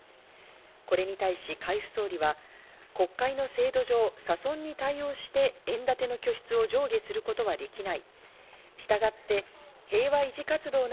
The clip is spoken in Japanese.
これに対し海部総理は国会の制度上、差損に対応して、円建ての拠出を上下することはできない。